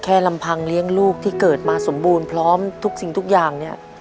ลำพังเลี้ยงลูกที่เกิดมาสมบูรณ์พร้อมทุกสิ่งทุกอย่างเนี่ย